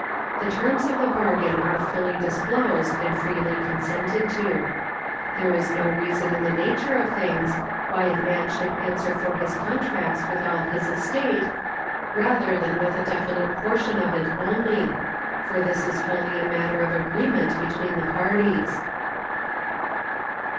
The terms of the bargain are fully disclosed and freely consented to. There is no reason in the nature of things why a man should answer for his contracts with all his estate, rather than with a definite portion of it only, for this is wholly a matter of agreement between the parties.